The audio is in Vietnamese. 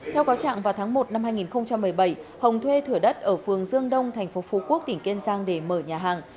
theo cáo trạng vào tháng một năm hai nghìn một mươi bảy hồng thuê thửa đất ở phường dương đông thành phố phú quốc tỉnh kiên giang để mở nhà hàng